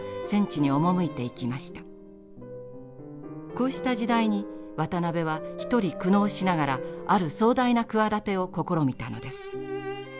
こうした時代に渡辺は一人苦悩しながらある壮大な企てを試みたのです。